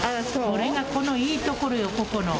これがこのいいところよ、ここの。